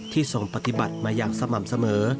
ทรงปฏิบัติมาอย่างสม่ำเสมอ